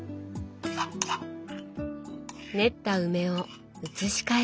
練った梅を移し替えて。